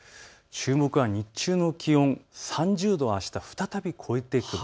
注目は日中の気温、３０度、あした再び超えてくる。